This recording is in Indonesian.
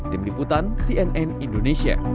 tim liputan cnn indonesia